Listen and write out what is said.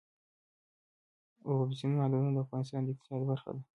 اوبزین معدنونه د افغانستان د اقتصاد برخه ده.